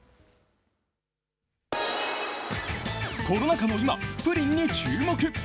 コロナ禍の今、プリンに注目。